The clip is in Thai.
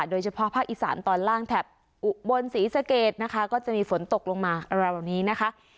โดยเฉพาะภาคอีสานตอนล่างแถบบนสีสเกจก็จะมีฝนตกลงมาตรงราวนี้นะคะ